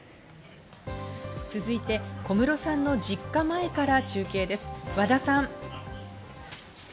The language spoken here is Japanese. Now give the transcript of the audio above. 続いて小室さんの実家前から中継です、和田さん。